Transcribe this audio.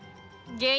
lo kenapa sih